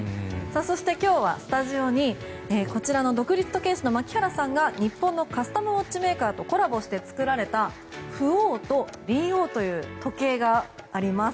そして今日はスタジオにこちらの独立時計師の牧原さんが日本のカスタムウォッチメーカーとコラボして作られた浮桜と輪桜という時計があります。